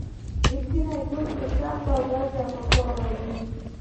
رښتینی دوست په سخته ورځ په کار راځي.